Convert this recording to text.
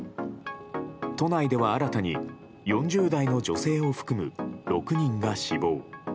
都内では新たに４０代の女性を含む６人が死亡。